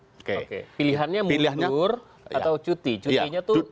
oke pilihannya mundur atau cuti cutinya itu